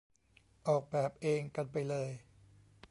ออกแบบเองกันไปเลย